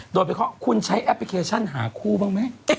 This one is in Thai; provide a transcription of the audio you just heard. โดยเพราะคุณใช้แอปพลิเคชันหาคู่บ้างมั้ย